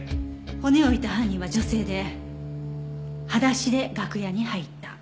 骨を置いた犯人は女性で裸足で楽屋に入った。